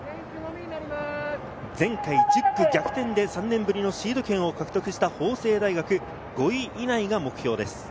前回１０区、逆転で３年ぶりのシード権を獲得した法政大学、５位以内が目標です。